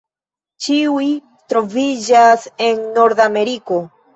Ĉiuj troviĝas en Nordameriko.